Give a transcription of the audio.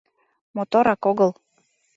Моторак огыл...